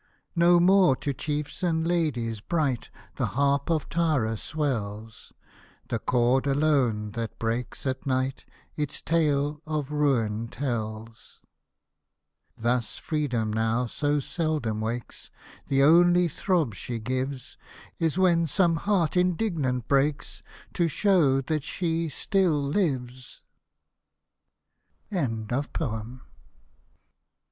No more to chiefs and ladies bright The harp of Tara swells ; The chord alone, that breaks at night. Its tale of ruin tells. Hosted by Google IRISH MELODIES Thus Freedom now so seldom wakes, The only throb she gives, Is when some heart indignant breaks, To show that still she lives.